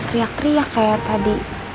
teriak teriak kayak tadi